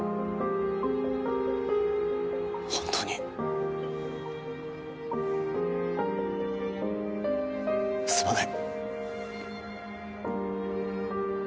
本当にすまない。